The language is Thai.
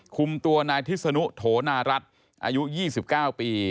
คุมตัวนายทิศนุโถนารัฐอายุ๒๙ปี